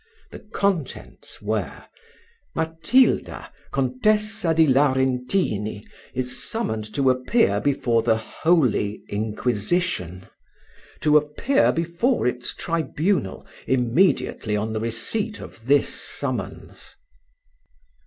The contents were: "Matilda Contessa di Laurentini is summoned to appear before the holy inquisition to appear before its tribunal, immediately on the receipt of this summons."